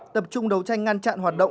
tập trung đấu tranh ngăn chặn hoạt động